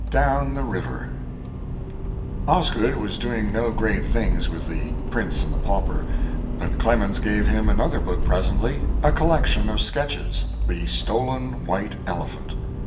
DOWN THE RIVER Osgood was doing no great things with The Prince and the Pauper, but Clemens gave him another book presently, a collection of sketches The Stolen White Elephant.